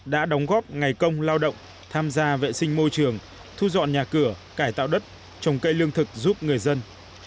đã đóng góp ngày công lao động tham gia vệ sinh môi trường thu dọn nhà cửa cải tạo đất trồng cây lương thực giúp người dân